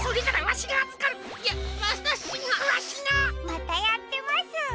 またやってます。